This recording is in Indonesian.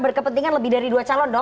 berkepentingan lebih dari dua calon dong